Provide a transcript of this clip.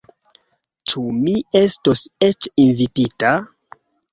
Ĉu mi estos eĉ invitita?